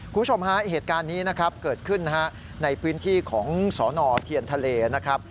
คุณผู้ชมฮะเหตุการณ์นี้นะครับเกิดขึ้นนะฮะในพื้นที่ของสนเทียนทะเลนะครับ